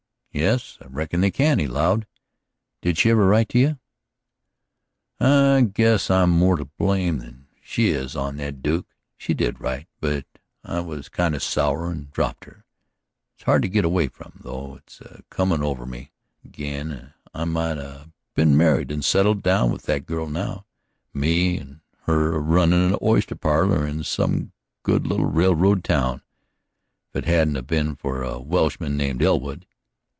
"Yes, I reckon they can," he allowed. "Don't she ever write to you?" "I guess I'm more to blame than she is on that, Duke. She did write, but I was kind of sour and dropped her. It's hard to git away from, though; it's a comin' over me ag'in. I might 'a' been married and settled down with that girl now, me and her a runnin' a oyster parlor in some good little railroad town, if it hadn't 'a' been for a Welshman name of Elwood.